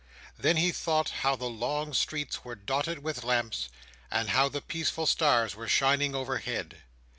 Then he thought how the long streets were dotted with lamps, and how the peaceful stars were shining overhead.